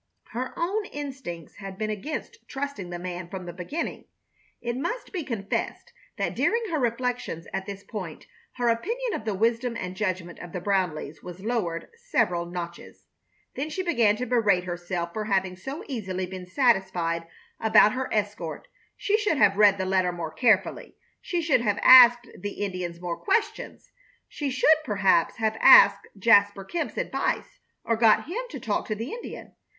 Her own instincts had been against trusting the man from the beginning. It must be confessed that during her reflections at this point her opinion of the wisdom and judgment of the Brownleighs was lowered several notches. Then she began to berate herself for having so easily been satisfied about her escort. She should have read the letter more carefully. She should have asked the Indians more questions. She should, perhaps, have asked Jasper Kemp's advice, or got him to talk to the Indian.